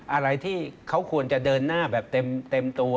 อะไรที่เขาควรจะเดินหน้าแบบเต็มตัว